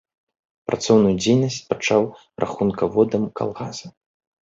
Працоўную дзейнасць пачаў рахункаводам калгаса.